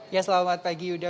ya selamat pagi yuda